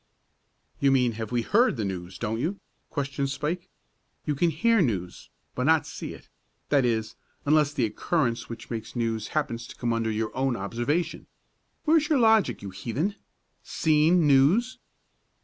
"You mean have we heard the news; don't you?" questioned Spike. "You can hear news, but not see it, that is unless the occurrence which makes news happens to come under your own observation. Where is your logic, you heathen? Seen news!"